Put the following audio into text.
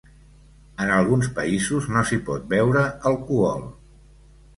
En alguns països no s'hi pot beure alcohol.